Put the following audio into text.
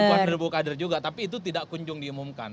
puluhan ribu kadir juga tapi itu tidak kunjung diumumkan